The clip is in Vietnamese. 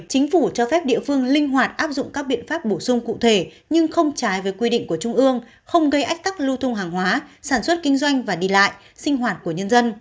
chính phủ cho phép địa phương linh hoạt áp dụng các biện pháp bổ sung cụ thể nhưng không trái với quy định của trung ương không gây ách tắc lưu thông hàng hóa sản xuất kinh doanh và đi lại sinh hoạt của nhân dân